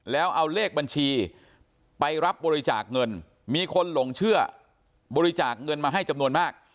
แล้วเอาเลขบัญชีไปรับบริจาคเงินมีคนหลงเชื่อบริจาคเงินมาให้จำนวนมาก